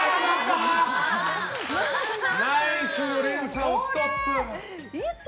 ナイスの連鎖をストップ！